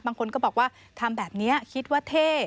บางคนก็บอกว่าทำแบบนี้คิดว่าเท่